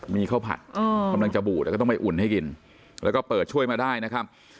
มีข้าวผัดก็ต้องไปอุ่นให้กินแล้วก็เปิดช่วยมาได้นะครับ